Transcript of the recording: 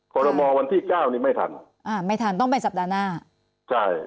ขอรมอวันที่เก้านี่ไม่ทันอ่าไม่ทันต้องไปสัปดาห์หน้าใช่